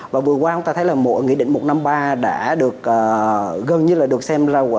và vừa qua chúng ta thấy là mỗi nghị định một trăm năm mươi ba đã được gần như là được xem là